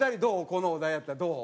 このお題やったらどう？